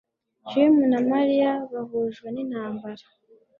Jim na Mariya bahujwe n'intambara